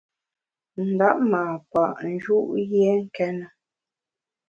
Ndap ma pa’ nju’ yié nkéne.